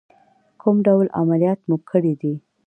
کوم ډول عملیات مو کړی دی؟